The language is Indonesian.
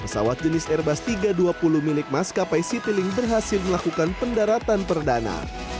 pesawat jenis airbus tiga ratus dua puluh milik maskapai citylink berhasil melakukan pendaratan perdana